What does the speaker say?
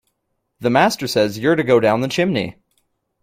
The master says you’re to go down the chimney!